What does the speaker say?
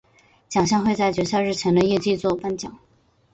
奖项会在决赛日前的夜祭作颁奖。